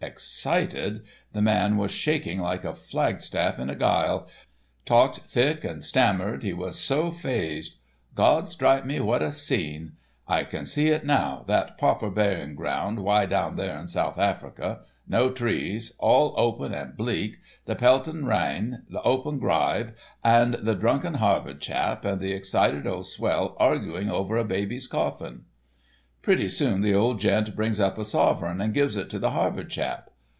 Excited! The man was shaking like a flagstaff in a gyle, talked thick and stammered, he was so phased. Gawd strike me, what a scene! I can see it now—that pauper burying ground wye down there in South Africa—no trees, all open and bleak. The pelting ryne, the open gryve and the drunken Harvard chap, and the excited old swell arguing over a baby's coffin." Pretty soon the old gent brings up a sovereign and gives it to the Harvard chap.